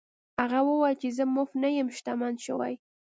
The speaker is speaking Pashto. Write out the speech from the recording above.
هغه وویل چې زه مفت نه یم شتمن شوی.